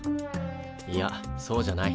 いやそうじゃない。